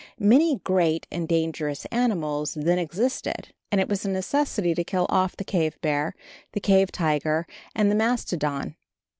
Many great and dangerous animals then existed, and it was a necessity to kill off the cave bear, the cave tiger and the mastodon.